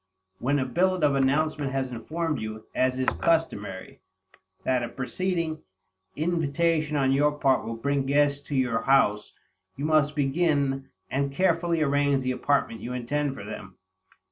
When a billet of announcement has informed you, as is customary, that a preceding invitation on your part will bring guests to your house, you must begin and carefully arrange the apartment you intend for them.